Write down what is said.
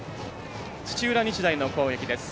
土浦日大の攻撃です。